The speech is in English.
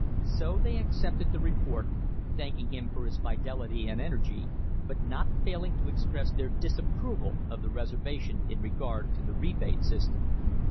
So they accepted the report, thanking him for his fidelity and energy, but not fail ing to express their disapproval of the reservation in regard to the rebate system.